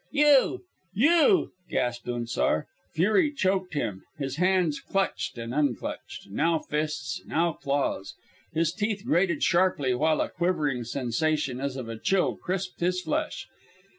"You! You!" gasped Unzar. Fury choked him; his hands clutched and unclutched now fists, now claws. His teeth grated sharply while a quivering sensation as of a chill crisped his flesh.